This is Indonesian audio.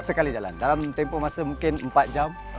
sekali jalan dalam tempoh masa mungkin empat jam